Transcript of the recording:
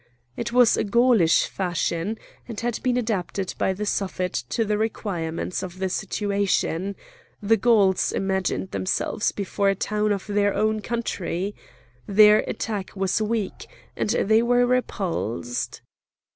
It was a Gaulish fashion, and had been adapted by the Suffet to the requirements of the situation; the Gauls imagined themselves before a town in their own country. Their attack was weak, and they were repulsed.